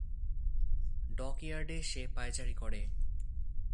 ডকইয়ার্ডে সে পায়চারি করে।